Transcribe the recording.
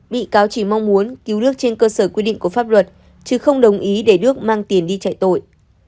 bị cáo chỉ mong muốn cứu nước trên cơ sở quy định của pháp luật chứ không đồng ý để đức mang tiền đi chạy tội